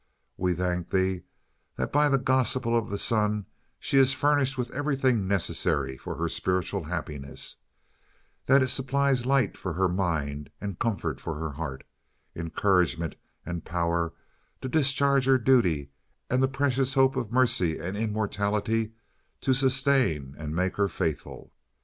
We thank Thee that by the Gospel of the Son she is furnished with everything necessary to her spiritual happiness; that it supplies light for her mind and comfort for her heart, encouragement and power to discharge her duty, and the precious hope of mercy and immortality to sustain and make her faithful.